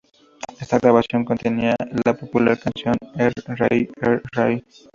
Esta grabación contenía la popular canción "Er-Raï Er-Raï.